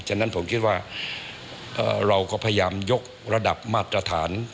ฉะนั้นผมคิดว่าเราก็พยายามยกระดับมาตรฐาน